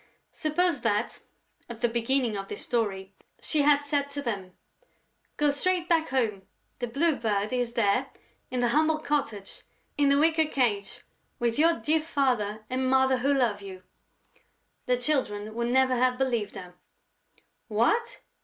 Suppose that, at the beginning of this story, she had said to them: "Go straight back home. The Blue Bird is there, in the humble cottage, in the wicker cage, with your dear father and mother who love you." The Children would never have believed her: "What!"